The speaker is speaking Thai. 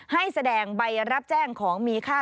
ให้แสดงใบรับแจ้งของมีค่า